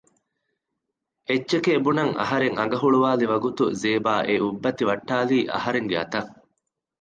އެއްޗެކޭ ބުނަން އަހަރެން އަނގަ ހުޅުވއިލި ވަގުތު ޒޭބާ އެ އުއްބައްތި ވައްޓައިލީ އަހަރެންގެ އަތަށް